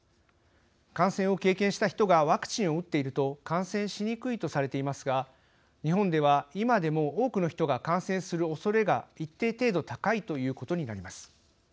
感染を経験した人がワクチンを打っていると感染しにくいとされていますが日本では今でも多くの人が感染するおそれが一定程度高いということになります。